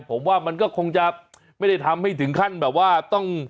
ผมว่ามันก็คงจะไม่ได้ทำให้ถึงขั้นแบบว่าต้อง